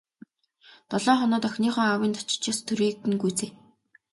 Долоо хоноод охиныхоо аавынд очиж ёс төрийг нь гүйцээнэ.